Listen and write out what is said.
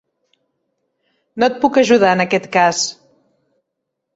No et puc ajudar en aquest cas.